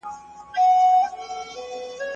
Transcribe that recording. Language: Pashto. که حکومت له مذهب سره سم وي اطاعت يې وکړئ.